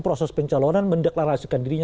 proses pencalonan mendeklarasikan dirinya